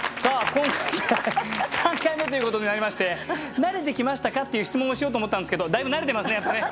今回で３回目ということになりまして「慣れてきましたか？」っていう質問をしようと思ったんですけどだいぶ慣れてますねやっぱね。